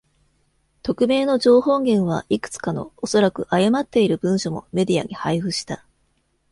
匿名の情報源はいくつかの、おそらく誤っている文書もメディアに配布した。